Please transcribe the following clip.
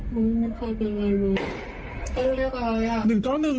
มึงมีใครเป็นอะไรมึงต้องเรียกอะไรอ่ะหนึ่งเก้าหนึ่ง